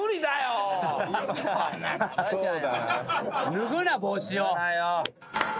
脱ぐな帽子を。